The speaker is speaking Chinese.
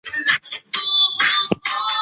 由冰川运动及外界温度上升有关。